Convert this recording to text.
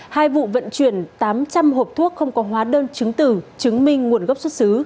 hai vụ vận chuyển tám trăm linh hộp thuốc không có hóa đơn chứng tử chứng minh nguồn gốc xuất xứ